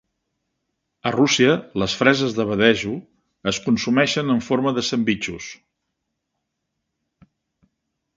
A Rússia, les freses d'abadejo es consumeixen en forma de sandvitxos.